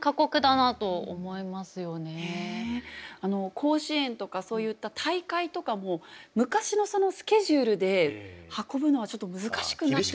甲子園とかそういった大会とかも昔のスケジュールで運ぶのはちょっと難しくなってくる。